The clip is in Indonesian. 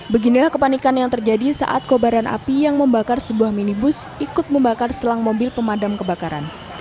beginilah kepanikan yang terjadi saat kobaran api yang membakar sebuah minibus ikut membakar selang mobil pemadam kebakaran